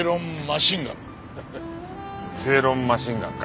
ハハ正論マシンガンか。